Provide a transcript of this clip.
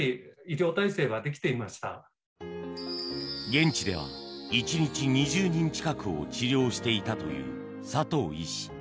現地では１日２０人近くを治療していたという佐藤医師。